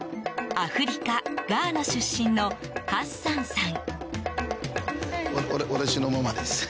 アフリカ・ガーナ出身のハッサンさん。